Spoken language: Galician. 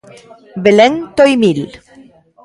Belén Toimil.